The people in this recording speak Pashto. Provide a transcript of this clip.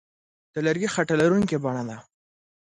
د لرګي خټه لرونکې بڼه ده.